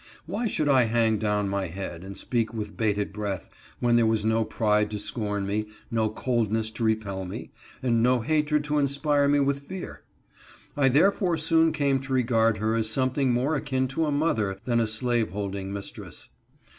Why should I hang down my head, and speak with bated breath, when there was no pride to scorn me, no coldness to repel me, and no hatred to inspire me with fear ? I therefore soon came to regard her as something more akin to a mother than a slaveholding mistress.